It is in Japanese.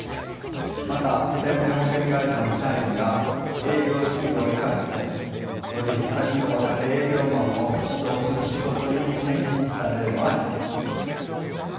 また生命保険会社の社員が営業スキルを生かして取引先の若手営業マンを指導する仕事に転身した例もあります。